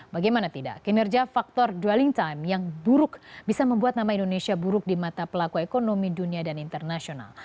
bagaimana tidak kinerja faktor dwelling time yang buruk bisa membuat nama indonesia buruk di mata pelaku ekonomi dunia dan internasional